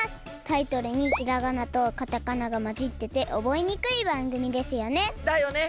タイトルにひらがなとカタカナがまじってておぼえにくいばんぐみですよね！